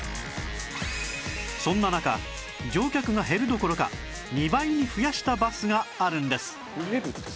そんな中乗客が減るどころか２倍に増やしたバスがあるんです